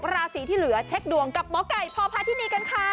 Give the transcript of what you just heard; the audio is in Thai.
๖ราสีที่เหลือเช็คดวงกับหมอกใบพ่อพาธินี